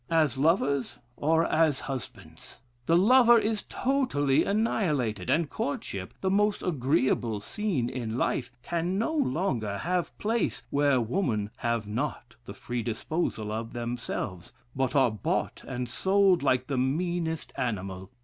As lovers, or as husbands? The lover is totally annihilated; and courtship, the most agreeable scene in life, can no longer have place where women have not the free disposal of themselves, but are bought and sold like the meanest animal.